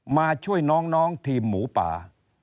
มาช่วยน้องทีมหมูป่า